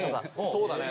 そうだね。